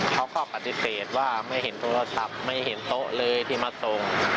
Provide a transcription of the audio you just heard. เขาก็ปฏิเสธว่าไม่เห็นโทรศัพท์ไม่เห็นโต๊ะเลยที่มาส่ง